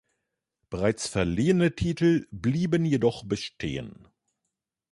Bereits verliehene Titel blieben jedoch bestehen.